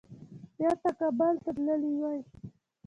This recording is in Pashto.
بیرته کابل ته تللي وای.